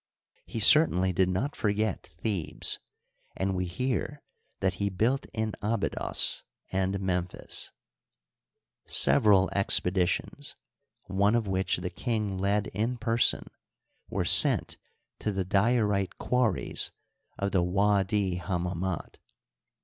He certainly did not forget Thebes, and we hear that he built in Abydos and Memphis. Several expeditions, one of which the king led in person, were sent to the diorite quarries of the W4di Hammamit.